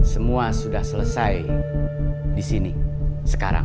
semua sudah selesai di sini sekarang